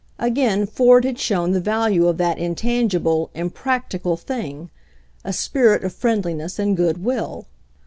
Again Ford had shown the value of that in tangible, "impractical" thing — a spirit of friend liness and good will.